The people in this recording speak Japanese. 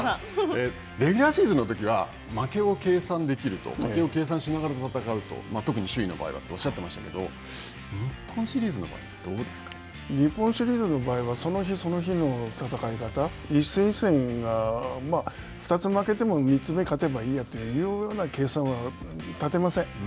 レギュラーシーズンのときは負けを計算できると、負けを計算しながら戦うと、特に首位の場合はとおっしゃってましたけど日本シリ日本シリーズの場合はその日その日の戦い方、一戦一戦が、２つ負けても３つ目勝てばいいやというような計算は立てません。